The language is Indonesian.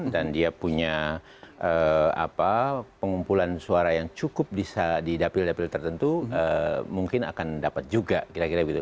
dan dia punya pengumpulan suara yang cukup bisa di dapil dapil tertentu mungkin akan dapat juga kira kira begitu